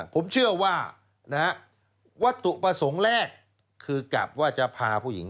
ผมเชื่อว่าวัตถุประสงค์แรกคือกลับว่าจะพาผู้หญิง